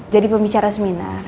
jadi pembicara seminar